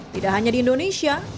tidak hanya di indonesia